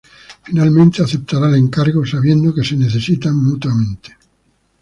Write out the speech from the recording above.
Finalmente aceptará el encargo, sabiendo que se necesitan mutuamente.